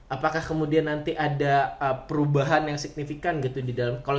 apakah kemudian nanti ada perubahan yang signifikan gitu di dalam